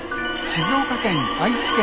静岡県愛知県